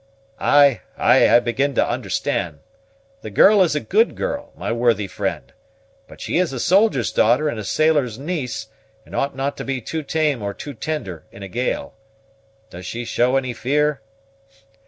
"Ay, ay, I begin to understand. The girl is a good girl, my worthy friend; but she is a soldier's daughter and a sailor's niece, and ought not to be too tame or too tender in a gale. Does she show any fear?"